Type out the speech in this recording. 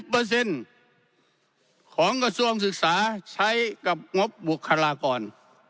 ๘๐เปอร์เซ็นต์ของกระทรวงศึกษาใช้กับงบบุคลากร